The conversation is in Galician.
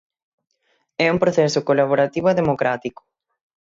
É un proceso colaborativo e democrático.